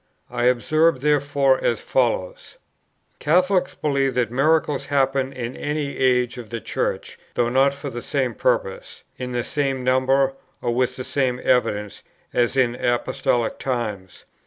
I observe therefore as follows: Catholics believe that miracles happen in any age of the Church, though not for the same purposes, in the same number, or with the same evidence, as in Apostolic times.